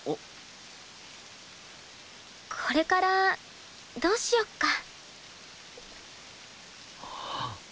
これからどうしよっか。